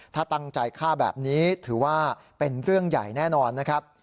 ถ้าตั้งใจฆ่าแบบนี้ถือว่าเป็นเรื่องใหญ่แน่นอนนะครับ